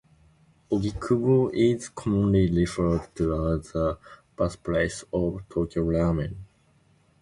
Ogikubo is commonly referred to as the birthplace of Tokyo ramen.